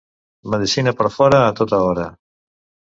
Medicina per fora, a tota hora.